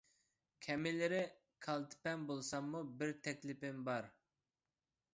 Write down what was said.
كەمىنىلىرى كالتە پەم بولساممۇ بىر تەكلىپىم بار.